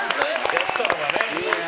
やってたのがね。